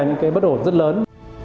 những cái bất ổn rất lớn